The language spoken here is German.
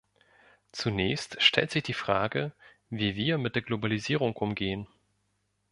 Zunächst stellt sich die Frage, wie wir mit der Globalisierung umgehen.